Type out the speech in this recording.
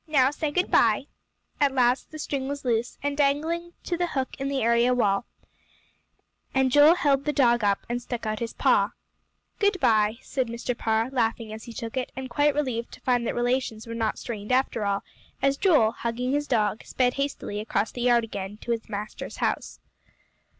Now say good bye." At last the string was loose, and dangling to the hook in the area wall, and Joel held the dog up, and stuck out his paw. "Good bye," said Mr. Parr, laughing as he took it, and quite relieved to find that relations were not strained after all, as Joel, hugging his dog, sped hastily across the yard again to the master's house.